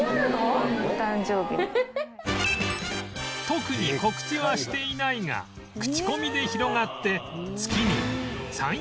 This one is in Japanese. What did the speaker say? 特に告知はしていないが口コミで広がって